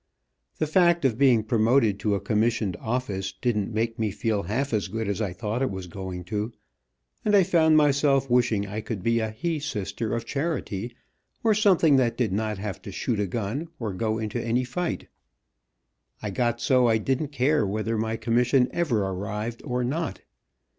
The fact of being promoted to a commissioned office, didn't make me feel half as good as I thought it was going to, and I found myself wishing I could be a he sister of charity, or something that did not have to shoot a gun, or go into any fight. I got so I didn't care whether my commission ever arrived or not.